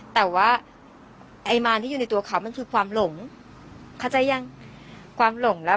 แต่ว่าไอ้มารที่อยู่ในตัวเขามันคือความหลงเข้าใจยังความหลงแล้ว